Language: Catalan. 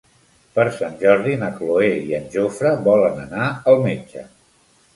Per Sant Jordi na Cloè i en Jofre volen anar al metge.